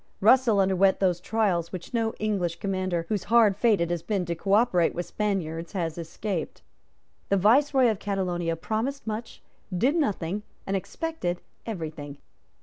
Russell underwent those trials which no English commander whose hard fate it has been to cooperate with Spaniards has escaped. The Viceroy of Catalonia promised much, did nothing, and expected every thing.